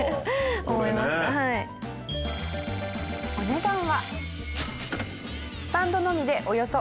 お値段は。